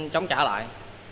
chống trả lại